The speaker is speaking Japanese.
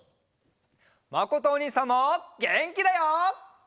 まことおにいさんもげんきだよ！